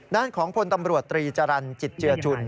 ด้านของพลตำรวจตรีจรรย์จิตเจือชุน